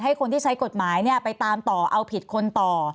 คนที่ใช้กฎหมายไปตามต่อเอาผิดคนต่อ